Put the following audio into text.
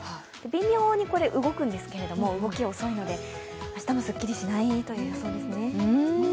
微妙に動くんですけれども、動き、遅いので明日もすっきりしないという予想ですね。